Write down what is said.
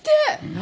何？